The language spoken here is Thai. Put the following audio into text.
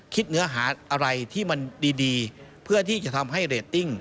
เนื้อหาอะไรที่มันดีเพื่อที่จะทำให้เรตติ้ง